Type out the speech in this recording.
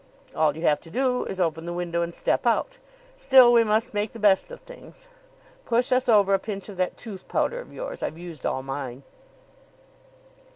All you have to do is to open the window and step out. Still, we must make the best of things. Push us over a pinch of that tooth powder of yours. I've used all mine."